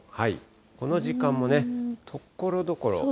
この時間もね、ところどころ。